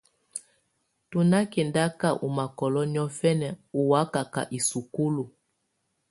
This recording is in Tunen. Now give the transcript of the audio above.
Tù nà kɛndaka ɔ́ mákɔ́lɔ niɔ̀fɛna ɔ́ wakaka isukulu.